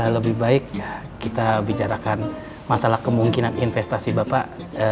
lebih baik kita bicarakan masalah kemungkinan investasi bapak